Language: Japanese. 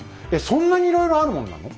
そんなにいろいろあるもんなの？